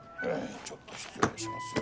ちょっと失礼しますよ。